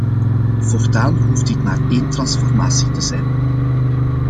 Voortaan hoeft dit maar één transformatie te zijn.